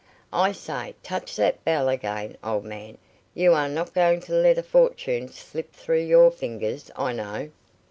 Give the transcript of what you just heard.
I say touch that bell again, old man you are not going to let a fortune slip through your fingers, I know."